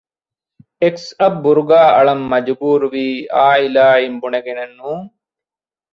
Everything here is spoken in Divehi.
އެކްސް އަށް ބުރުގާ އަޅަން މަޖުބޫރުވީ އާއިލާއިން ބުނެގެނެއް ނޫން